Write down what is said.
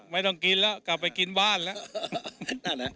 ไม่ต้องกินแล้วกลับไปกินบ้านแล้ว